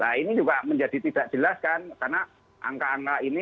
nah ini juga menjadi tidak jelas kan karena angka angka ini